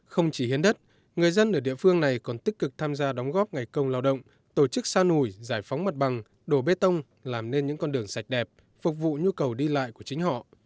không chỉ hiến đất người dân ở địa phương này còn tích cực tham gia đóng góp ngày công lao động tổ chức sa nổi giải phóng mặt bằng đổ bê tông làm nên những con đường sạch đẹp phục vụ nhu cầu đi lại của chính họ